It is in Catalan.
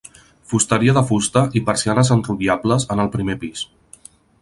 Fusteria de fusta i persianes enrotllables en el primer pis.